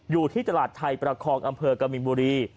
อยู่ที่ตลาดไทยประคองอำเภอกบินบุรี